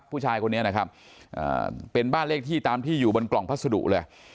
ผู้ชายคนนี้นะครับเป็นบ้านเลขที่ตามที่อยู่บนกล่องพัสดุเลย